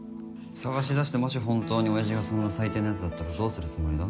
捜し出してもし本当に親父がそんな最低なやつだったらどうするつもりだ？